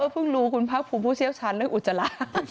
เพิ่งรู้คุณภาคภูมิผู้เชี่ยวชาญเรื่องอุจจาระ